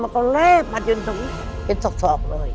มันก็แลบมาจนถึงเป็นศอกเลย